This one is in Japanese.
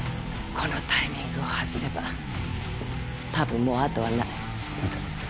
このタイミングを外せば多分もう後はない先生